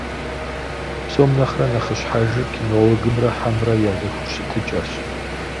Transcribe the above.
Псом нэхърэ нэхъыщхьэжыр кинологымрэ хьэмрэ я зэхущытыкӀэрщ.